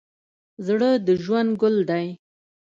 زړه د ژوند ګل دی.